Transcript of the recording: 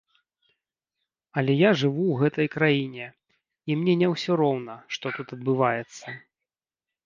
Але я жыву ў гэтай краіне, і мне не ўсё роўна, што тут адбываецца.